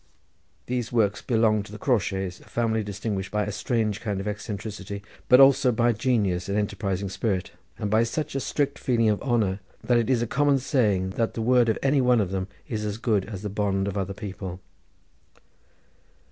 These works belong to the Crawshays, a family distinguished by a strange kind of eccentricity, but also by genius and enterprising spirit, and by such a strict feeling of honour that it is a common saying that the word of any one of them is as good as the bond of other people.